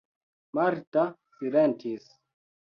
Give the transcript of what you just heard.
Marta silentis.